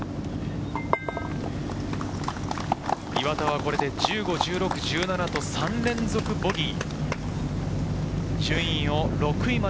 これで１５、１６、１７と３連続ボギー。